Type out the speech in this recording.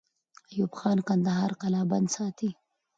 ایوب خان کندهار قلابند ساتي.